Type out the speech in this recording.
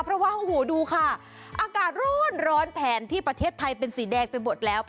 เพราะว่าโอ้โหดูค่ะอากาศร้อนแผนที่ประเทศไทยเป็นสีแดงไปหมดแล้ว